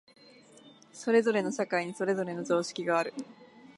それぞれの社会にそれぞれの常識がある。